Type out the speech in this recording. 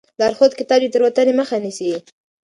لارښود کتاب د تېروتنې مخه نیسي.